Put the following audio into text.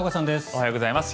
おはようございます。